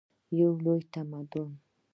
یو لوی تمدن.